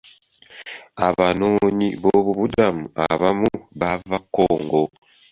Abanoonyiboobubudamu abamu baava Congo.